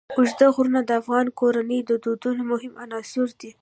اوږده غرونه د افغان کورنیو د دودونو مهم عنصر دی.